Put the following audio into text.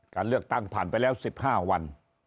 การเลือกตั้งผ่านไปแล้ว๑๕วัน